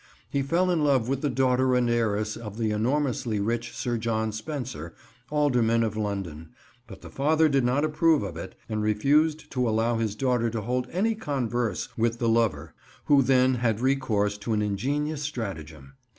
He fell in love with the daughter and heiress of the enormously rich Sir John Spencer, alderman of London, but the father did not approve of it and refused to allow his daughter to hold any converse with her lover, who then had recourse to an ingenious stratagem.